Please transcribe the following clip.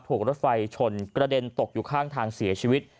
ถูกรถไฟชนกระเด็นตกอยู่ข้างทางเสียชีวิต